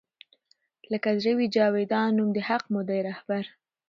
لــــــــــکه زړه وي جـــاویــــدان نــــوم د حــــق مو دی رهـــــــــبر